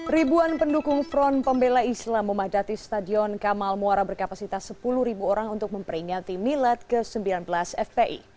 ribuan pendukung front pembela islam memadati stadion kamal muara berkapasitas sepuluh orang untuk memperingati milad ke sembilan belas fpi